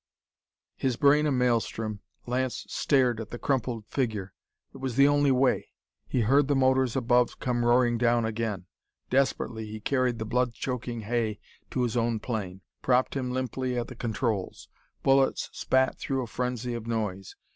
_" His brain a maelstrom, Lance stared at the crumpled figure. It was the only way! He heard the motors above come roaring down again; desperately he carried the blood choking Hay to his own plane; propped him limply at the controls. Bullets spat through a frenzy of noise.